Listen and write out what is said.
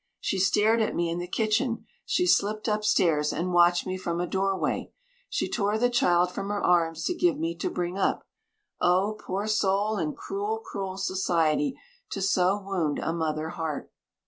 She stared at me in the kitchen; she slipped upstairs, and watched me from a doorway. She tore the child from her arms to give me to bring up oh! poor soul, and cruel, cruel society to so wound a mother heart."